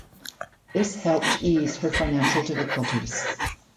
This helped ease her financial difficulties.